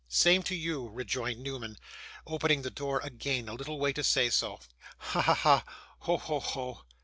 'Same to you,' rejoined Newman, opening the door again a little way to say so. 'Ha, ha, ha! Ho! ho! ho!